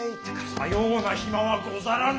さような暇はござらぬ。